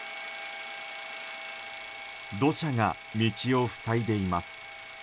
土砂が道を塞いでいます。